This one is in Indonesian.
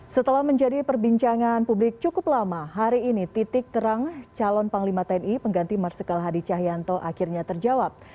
setelah menjadi perbincangan publik cukup lama hari ini titik terang calon panglima tni pengganti marsikal hadi cahyanto akhirnya terjawab